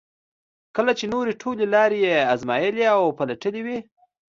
کله چې نورې ټولې لارې یې ازمایلې او پلټلې وي.